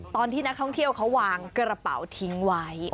ตอนที่นักท่องเที่ยวเขาวางกระเป๋าทิ้งไว้